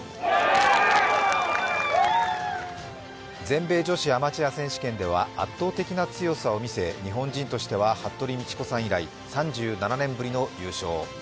全米女子アマチュア選手権では圧倒的な強さを見せ、日本人としては服部道子さん以来３７年ぶりの優勝。